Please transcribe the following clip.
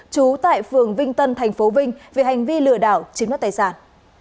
trú tại phường vinh tân tp vinh về hành vi lừa đảo chiếm đất tài sản